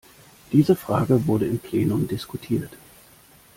Diese Frage wurde im Plenum diskutiert.